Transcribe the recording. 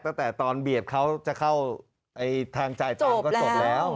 ตั้งแต่ตอนเบียดเขาจะเข้าทางจ่ายตังค์ก็จบแล้ว